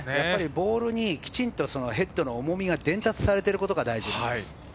ボールにきちんとヘッドの重みが伝達されていることが大事です。